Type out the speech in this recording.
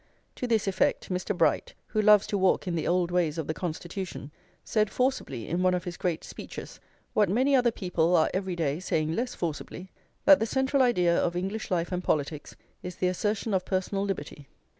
To this effect Mr. Bright, who loves to walk in the old ways of the Constitution, said forcibly in one of his great speeches, what many other people are every day saying less forcibly, that the central idea of English life and politics is the assertion of personal liberty.